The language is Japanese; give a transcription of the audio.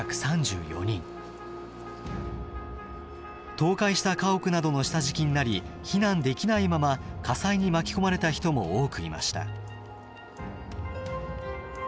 倒壊した家屋などの下敷きになり避難できないまま火災に巻き込まれた人も多くいました。